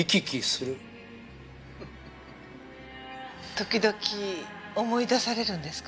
時々思い出されるんですか？